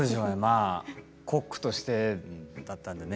コックとしてだったのでね